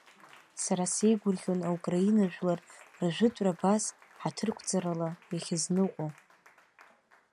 Сара сеигәырӷьон аукраина жәлар ржәытәра абас ҳаҭырқәҵарала иахьазныҟәо.